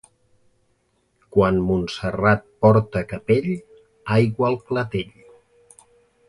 Quan Montserrat porta capell, aigua al clatell.